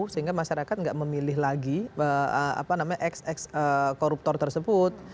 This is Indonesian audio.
sehingga masyarakat gak memilih lagi apa namanya ex ex koruptor tersebut